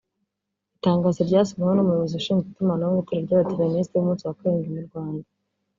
Itangazo ryasinyweho n’Umuyobozi ushinzwe Itumanaho mu itorero ry’Abadiventisiti b’umunsi wa karindwi mu Rwanda